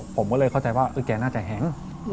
ผมก็เลยเข้าใจว่าแกน่าจะแห้ง